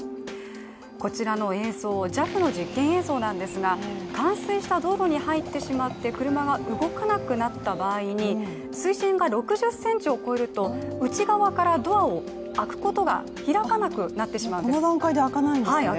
こちらの映像、ＪＡＦの実験映像なんですが冠水した道路に入ってしまって車が動かなくなった場合に、水深が６０ｃｍを超えると内側からドアを開けることが、開かなくなってしまうんです。